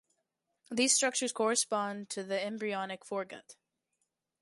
These structures correspond to the embryonic foregut.